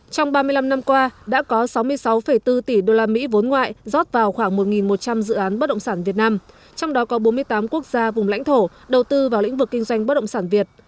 trong ba mươi năm năm qua đã có sáu mươi sáu bốn tỷ usd vốn ngoại rót vào khoảng một một trăm linh dự án bất động sản việt nam trong đó có bốn mươi tám quốc gia vùng lãnh thổ đầu tư vào lĩnh vực kinh doanh bất động sản việt